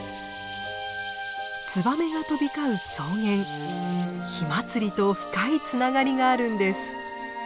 ツバメが飛び交う草原火祭りと深いつながりがあるんです。